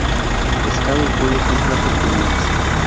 Pescado y pollo son platos comunes.